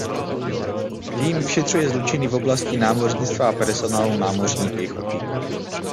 Tým vyšetřuje zločiny v oblasti námořnictva a personálu námořní pěchoty.